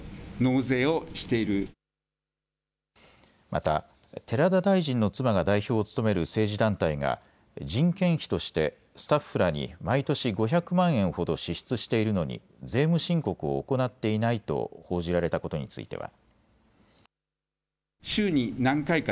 また寺田大臣の妻が代表を務める政治団体が人件費としてスタッフらに毎年５００万円ほど支出しているのに税務申告を行っていないと報じられたことについては。